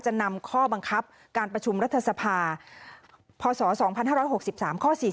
นำข้อบังคับการประชุมรัฐสภาพศ๒๕๖๓ข้อ๔๔